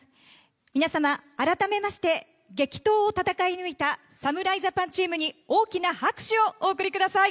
皆様、改めまして激闘を戦い抜いた侍ジャパンチームに大きな拍手をお送りください。